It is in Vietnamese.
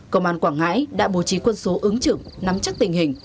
công an quảng ngãi đã bố trí quân số ứng trưởng nắm chắc tình hình